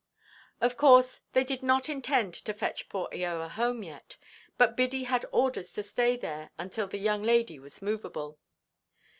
Of course, they did not intend to fetch poor Eoa home yet; but Biddy had orders to stay there until the young lady was moveable.